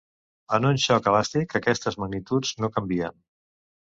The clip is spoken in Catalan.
En un xoc elàstic, aquestes magnituds no canvien.